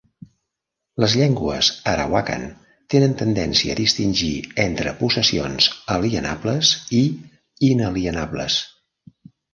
Les llengües arawakan tenen tendència a distingir entre possessions alienables i inalienables.